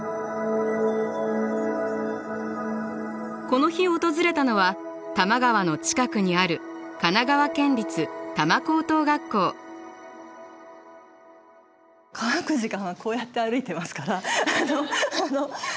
この日訪れたのは多摩川の近くにある乾く時間はこうやって歩いてますからあの。